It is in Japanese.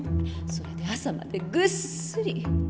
それで朝までぐっすり！